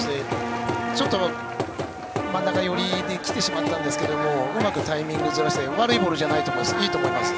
ちょっと真ん中寄りに来てしまったんですけどうまくタイミングをずらして悪いボールじゃないです。